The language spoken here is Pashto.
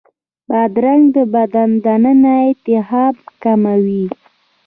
بادرنګ د بدن دننه التهاب کموي.